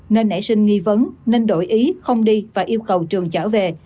nên nể sinh nghi vấn nên đổi ý không đi và yêu cầu trường chở về